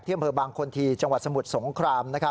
เที่ยวเผลอบางคนทีจังหวัดสมวทสงคราม